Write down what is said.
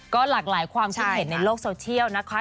ก็หลากหลายความคิดเห็นในโลกโซเชียลนะคะ